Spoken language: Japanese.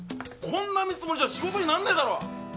こんな見積もりじゃ仕事になんねぇだろう！